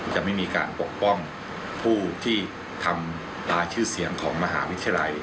จะไม่มีการปกป้องผู้ที่ทำลายชื่อเสียงของมหาวิทยาลัย